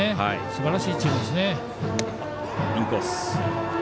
すばらしいチームですね。